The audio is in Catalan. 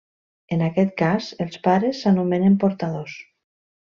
En aquest cas, els pares s'anomenen portadors.